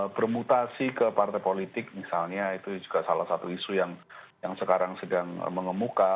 bermutasi ke partai politik misalnya itu juga salah satu isu yang sekarang sedang mengemuka